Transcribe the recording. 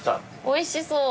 おいしそう。